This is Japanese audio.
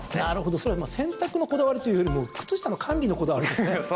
それは洗濯のこだわりっていうよりも靴下の管理のこだわりですね。